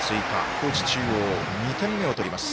高知中央、２点目を取ります。